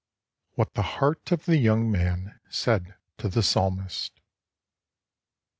■WHAT THE HEART OF THE YOUNG MAN SAID TO THE PSALMIST.